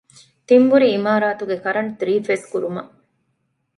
ތިންބުރި އިމާރާތުގެ ކަރަންޓް ތްރީފޭސް ކުރުމަށް